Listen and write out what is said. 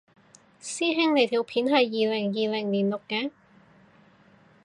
師兄你條片係二零二零年錄嘅？